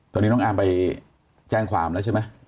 ตอนนี้น้องอาร์มไปแจ้งความแล้วใช่ไหม